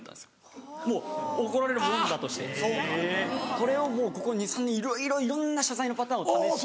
これをここ２３年いろんな謝罪のパターンを試して。